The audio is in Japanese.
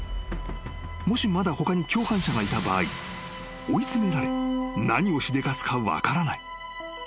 ［もしまだ他に共犯者がいた場合追い詰められ何をしでかすか分からない］